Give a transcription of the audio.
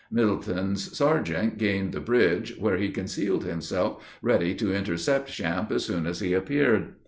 Middleton's sergeant gained the bridge, where he concealed himself, ready to intercept Champe as soon as he appeared.